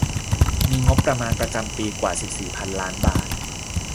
มีงบประมาณประจำปีกว่า สิบสี่ พันล้านบาท